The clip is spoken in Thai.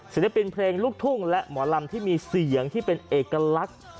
ศิลปินเพลงลูกทุ่งและหมอลำที่มีเสียงที่เป็นเอกลักษณ์